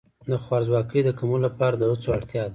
د خوارځواکۍ د کمولو لپاره د هڅو اړتیا ده.